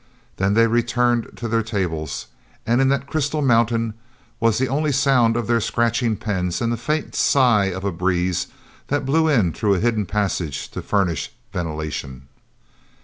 They then returned to their tables, and in that crystal mountain was only the sound of their scratching pens and the faint sigh of a breeze that blew in through a hidden passage to furnish ventilation.